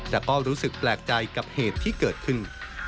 แต่ก็รู้สึกแปลกใจกับเหตุที่เกิดขึ้น